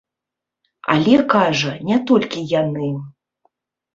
Але, кажа, не толькі яны.